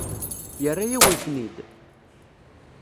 Yerra-yawen-ten-id?